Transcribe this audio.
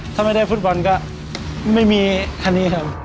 ถ้าไม่ได้ฟุตบอลก็ไม่มีอันนี้ครับ